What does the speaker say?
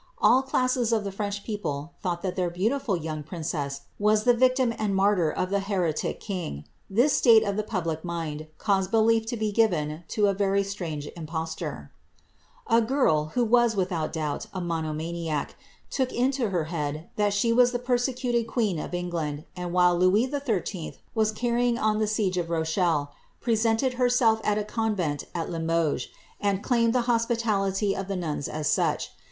All classes of the French people thought that their beautiful young princess was the victim and martyr of the heretic king. This state of the public mind caused belief to be given to a very strange imposture. A girl — who was, without doubt, a monomaniac — took it into her head that she was the persecuted queen of England, and while Louis XIII. was carrying on the siege of Rochelle, presented herself at a con Teat at Limoges, and claimed the hospitality of the nuns as such.